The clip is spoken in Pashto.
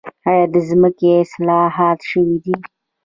آیا د ځمکې اصلاحات شوي دي؟